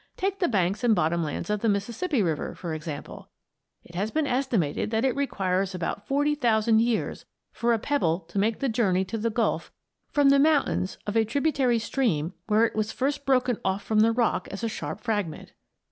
Take the banks and bottom lands of the Mississippi River, for example. It has been estimated that it requires about 40,000 years for a pebble to make the journey to the Gulf from the mountains of a tributary stream where it was first broken from the rock as a sharp fragment.